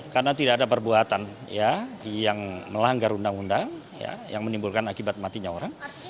karena tidak ada perbuatan yang melanggar undang undang yang menimbulkan akibat matinya orang